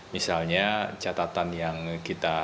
misalnya catatan yang kita